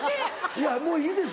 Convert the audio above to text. いやもういいです